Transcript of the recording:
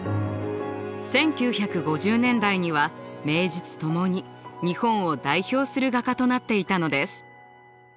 １９５０年代には名実ともに日本を代表する画家となっていたのです。